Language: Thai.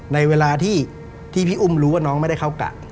ในเวลาที่พี่อุ้มรู้ว่าน้องไม่ได้เข้ากะ